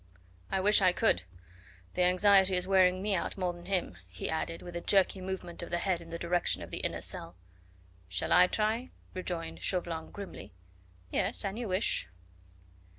"I wish I could; the anxiety is wearing me out more'n him," he added with a jerky movement of the head in direction of the inner cell. "Shall I try?" rejoined Chauvelin grimly. "Yes, an you wish."